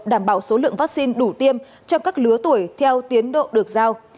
đảm bảo số lượng vaccine đủ tiêm trong các lứa tuổi theo tiến độ được giao